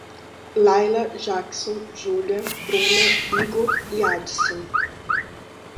Laila, Jakson, Julha, Bruna, Igor e Adson